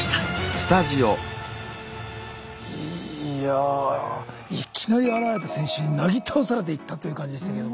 いやいきなり現れた選手になぎ倒されていったという感じでしたけども。